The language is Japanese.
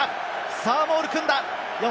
さぁ、モールを組んだ。